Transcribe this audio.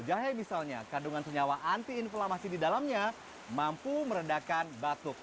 jahe misalnya kandungan senyawa anti inflamasi di dalamnya mampu meredakan batuk